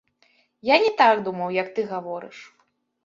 Я не так думаў, як ты гаворыш.